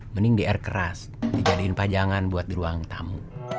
mending di air keras dijadiin pajangan buat di ruang tamu